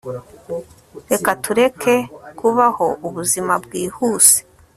reka tureke kubaho ubuzima bwihuse